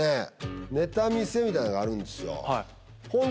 ネタ見せみたいなのがあるんですよ。